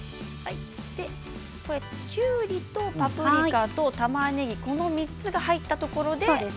きゅうりとパプリカたまねぎ、この３つが入ったところで。